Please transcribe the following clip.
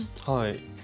はい。